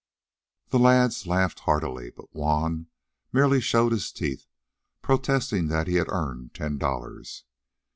The lads laughed heartily, but Juan merely showed his teeth, protesting that he had earned ten dollars.